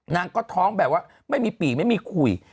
นางก็ท้องแบบว่าไม่มีปีไม่มีคุย